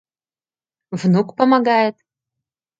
Внук помогает.